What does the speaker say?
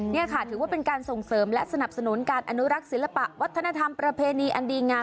นี่ค่ะถือว่าเป็นการส่งเสริมและสนับสนุนการอนุรักษ์ศิลปะวัฒนธรรมประเพณีอันดีงาม